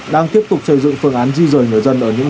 đã tuyển thời là phần nguồn chốt chặn